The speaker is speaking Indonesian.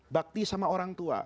bakti sama orang tua